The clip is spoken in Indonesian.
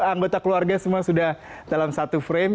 anggota keluarga semua sudah dalam satu frame